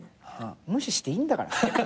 無視していいんだから。